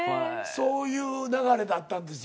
そういう流れだったんですよ。